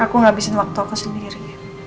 aku ngabisin waktu aku sendiri